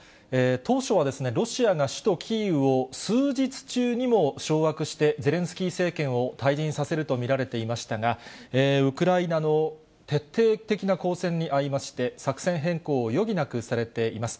当初は、ロシアが首都キーウを数日中にも掌握して、ゼレンスキー政権を退陣させると見られていましたが、ウクライナの徹底的な抗戦に遭いまして、作戦変更を余儀なくされています。